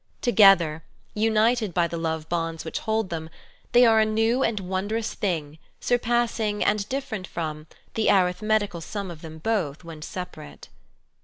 Together, united by the love The Glorious Unfolding i°9 bonds which hold them, they are a new and wondrous thing surpassing, and different from, the arithmetical sum of them both when separate.